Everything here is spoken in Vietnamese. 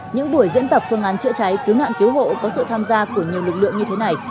những buổi diễn tập phương án chữa cháy cứu nạn cứu hộ có sự tham gia của nhiều lực lượng như thế này